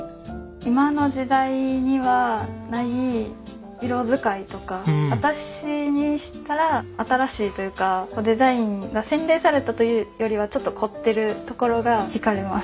今の時代にはない色使いとか私にしたら新しいというかデザインが洗練されたというよりはちょっと凝ってるところが惹かれます。